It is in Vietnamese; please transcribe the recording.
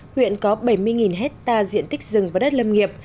huyện có bảy mươi hectare diện tích rừng và đất lâm nghiệp